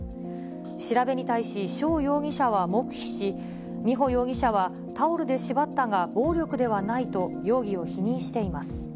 調べに対し翔容疑者は黙秘し、美穂容疑者はタオルで縛ったが、暴力ではないと容疑を否認しています。